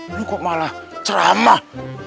ini kok malah ceramah